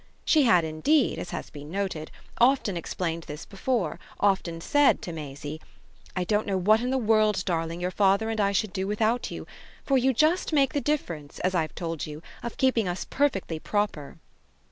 She had indeed, as has been noted, often explained this before, often said to Maisie: "I don't know what in the world, darling, your father and I should do without you, for you just make the difference, as I've told you, of keeping us perfectly proper."